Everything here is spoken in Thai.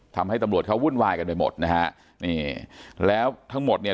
ทำให้ตำรวจเขาวุ่นวายกันไปหมดนะฮะนี่แล้วทั้งหมดเนี่ย